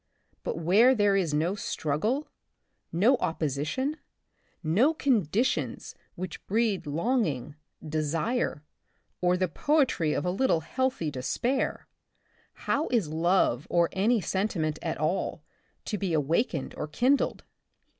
But where there is no struggle, no oppo sition, no conditions which breed longing, desire, or the poetry of a little healthy despair, how is love or any sentiment at all to be awakened or kindled